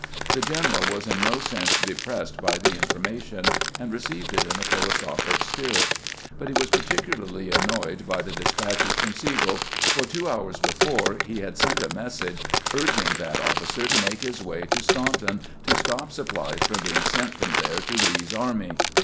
The general was in no sense de pressed by the information, and received it in a philo sophic spirit ; but he was particularly annoyed by the despatches from Sigel, for two hours before he had sent a message urging that officer to make his way to Staun ton to stop supplies from being sent from there to Lee's army.